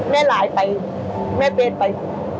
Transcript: แม่หลายไปแม่เพจไป